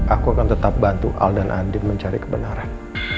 aku akan tetap bantu al dan adit mencari kebenaran